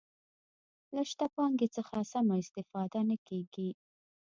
له شته پانګې څخه سمه استفاده نه کیږي.